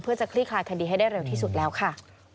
เพื่อจะคลี่คลายคดีให้ได้เร็วที่สุดแล้วค่ะ